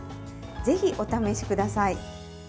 ぜひお試しください。